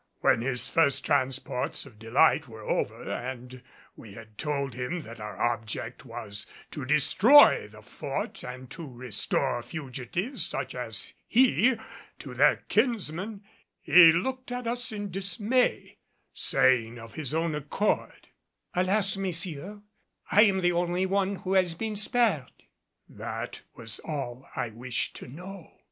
When his first transports of delight were over and we had told him that our object was to destroy the Fort and to restore fugitives such as he to their kinsmen, he looked at us in dismay, saying of his own accord, "Alas, messieurs, I am the only one who has been spared." That was all I wished to know.